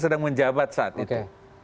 sedang menjabat saat itu